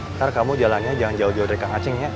ntar kamu jalannya jangan jauh jauh dari kak ngacengnya